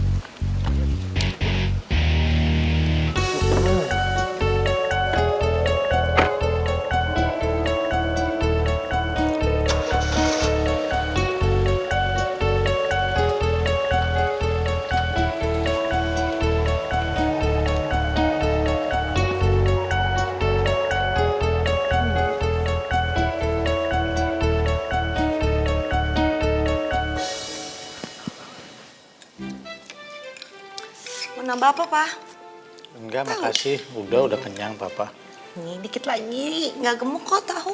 hai menambah papa enggak makasih udah udah kenyang papa ini dikit lagi enggak gemuk kau tahu